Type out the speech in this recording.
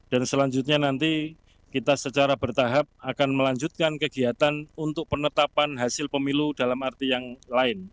dan selanjutnya nanti kita secara bertahap akan melanjutkan kegiatan untuk penetapan hasil pemilu dalam arti yang lain